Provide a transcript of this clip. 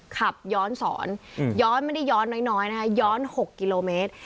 ขับย้อนสอนย้อนไม่ได้ย้อนน้อยนะคะย้อน๖กิโลเมตร